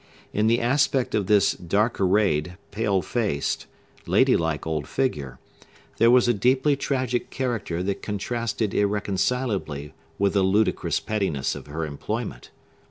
In the aspect of this dark arrayed, pale faced, ladylike old figure there was a deeply tragic character that contrasted irreconcilably with the ludicrous pettiness of her employment.